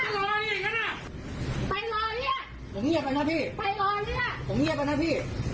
น้ามึงชี้หน้าให้ทำไม